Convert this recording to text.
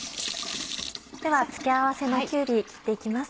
では付け合わせのきゅうり切って行きます。